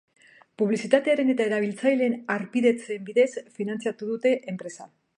Publizitatearen eta erabiltzaileen harpidetzen bidez finantzaten dute enpresa.